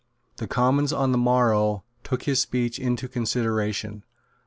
The Commons on the morrow took his speech into consideration.